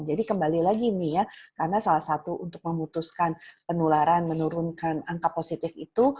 jadi kembali lagi karena salah satu untuk memutuskan penularan menurunkan angka positif itu